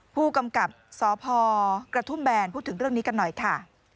ผู้กำกับสพกระทุ่มแบนพูดถึงเรื่องนี้กันหน่อยค่ะ